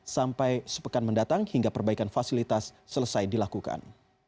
sampai sepekan mendatang hingga perbaikan fasilitas selesai dilakukan